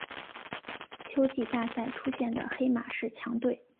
秋季大赛出现的黑马式强队。